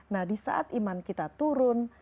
nah disaat iman kita turun